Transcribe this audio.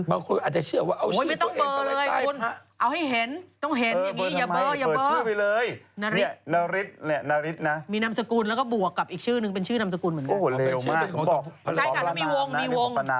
บางคนอาจจะเชื่อว่าเอาชื่อตัวเอง